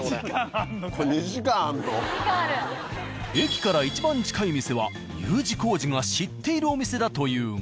駅からいちばん近い店はＵ字工事が知っているお店だというが。